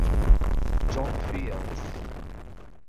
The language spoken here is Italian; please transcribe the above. John Fields